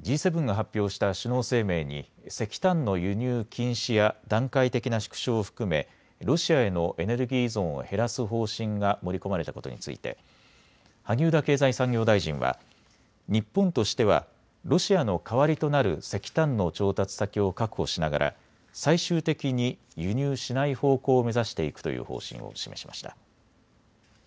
Ｇ７が発表した首脳声明に石炭の輸入禁止や段階的な縮小を含めロシアへのエネルギー依存を減らす方針が盛り込まれたことについて萩生田経済産業大臣は日本としてはロシアのかわりとなる石炭の調達先を確保しながら最終的に輸入しない方向を目指していくという方針を示しました。